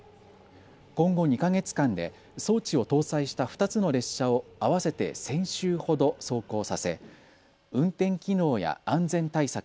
今後２か月間で装置を搭載した２つの列車を合わせて１０００周ほど走行させ運転機能や安全対策